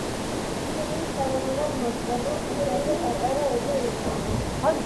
შიგნით, ხელოვნურად მოსწორებულ კლდეზე, პატარა ეზო იქმნება.